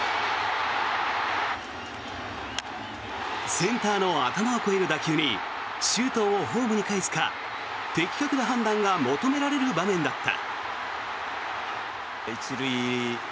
センターの頭を越える打球に周東をホームにかえすか的確な判断が求められる場面だった。